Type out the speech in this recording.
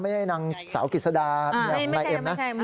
ไม่ใช่นางสาวกฤษดาเมียของนายเอ็มนะ